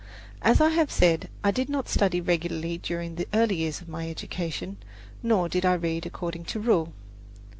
As I have said, I did not study regularly during the early years of my education; nor did I read according to rule.